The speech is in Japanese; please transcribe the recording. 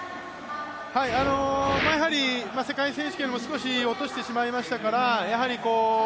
やはり世界選手権よりも少し落としてしまいましたから、